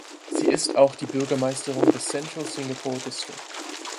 Sie ist auch die Bürgermeisterin des Central Singapore District.